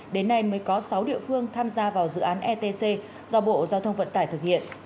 đến nay mới có sáu địa phương tham gia vào dự án etc do bộ giao thông vận tải thực hiện